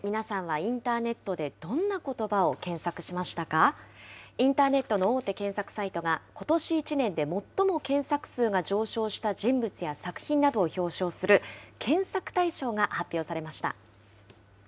インターネットの大手検索サイトが、ことし１年で最も検索数が上昇した人物や作品などを表彰する、検索大賞が発表されました。